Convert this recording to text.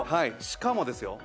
しかもですよ